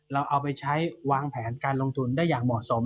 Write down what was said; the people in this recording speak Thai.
เราเอาไปใช้วางแผนการลงทุนได้อย่างเหมาะสม